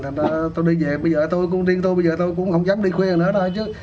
thành ra tôi đi về bây giờ tôi cũng điên tôi bây giờ tôi cũng không dám đi khuya nữa nữa chứ